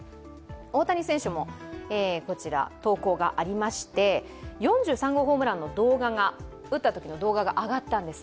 大谷選手も投稿がありまして４３号ホームランを打ったときの動画が上がったんです。